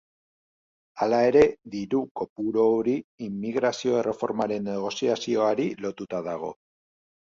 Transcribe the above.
Hala ere, diru-kopuru hori immigrazio erreformaren negoziazioari lotuta dago.